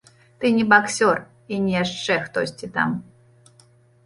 Ты не баксёр і не яшчэ хтосьці там!